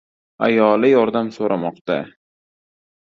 Ayoli yordam so‘ramoqda...